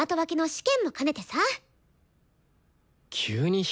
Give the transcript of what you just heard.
試験？